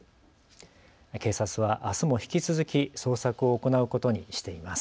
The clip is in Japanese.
警察はあすも引き続き捜索を行うことにしています。